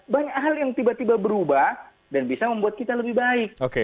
banyak hal yang tiba tiba berubah dan bisa membuat kita lebih baik